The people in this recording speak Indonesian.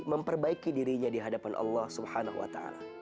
memperbaiki dirinya dihadapan allah swt